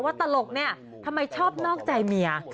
ตลกเนี่ยทำไมชอบนอกใจเมีย